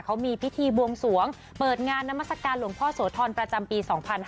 เขามีพิธีบวงสวงเปิดงานนามัศกาลหลวงพ่อโสธรประจำปี๒๕๕๙